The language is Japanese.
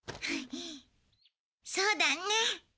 そうだね。